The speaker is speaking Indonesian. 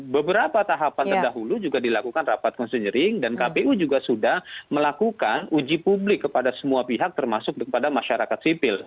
beberapa tahapan terdahulu juga dilakukan rapat konsinyering dan kpu juga sudah melakukan uji publik kepada semua pihak termasuk kepada masyarakat sipil